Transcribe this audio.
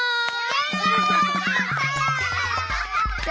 やった！